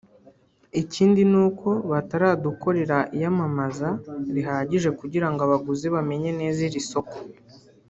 Ikindi ni uko bataradukorera iyamamaza rihagije kugirango abaguzi bamenye neza iri soko